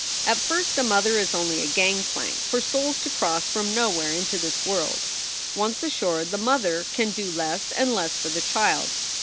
At first a mother is only a gangplank for souls to cross from nowhere into this world. Once ashore, the mother can do less and less for the child.